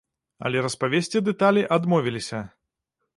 Але распавесці дэталі адмовіліся.